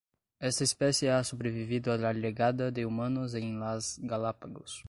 Esta especie ha sobrevivido a la llegada de humanos en las Galápagos.